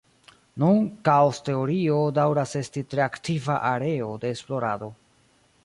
Nun, kaos-teorio daŭras esti tre aktiva areo de esplorado.